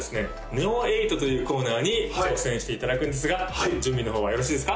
ＮＥＯ８というコーナーに挑戦していただくんですが準備の方はよろしいですか？